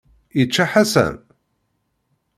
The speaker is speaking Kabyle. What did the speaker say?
Yečča Ḥasan?